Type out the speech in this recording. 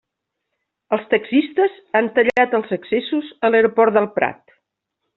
Els taxistes han tallat els accessos a l'aeroport del Prat.